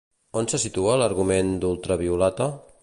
On se situa l'argument d'Ultraviolata?